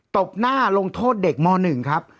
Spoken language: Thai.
ตบหน้าลงโทษเด็กม๑ครับ